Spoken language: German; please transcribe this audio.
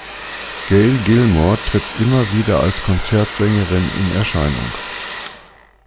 Gail Gilmore tritt immer wieder als Konzertsängerin in Erscheinung.